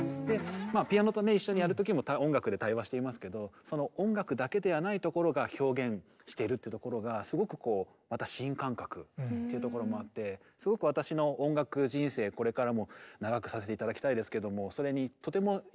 まあピアノとね一緒にやる時も音楽で対話していますけどその音楽だけではないところが表現してるっていうところがすごくこうまた新感覚っていうところもあってすごく私の音楽人生これからも長くさせて頂きたいですけどもそれにとてもいい刺激を与えてくれた時間でしたね。